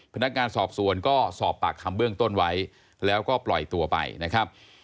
พนักงานสอบสวนก็สอบปากคำเบื้องต้นไว้แล้วก็ปล่อยตัวไปนะครับ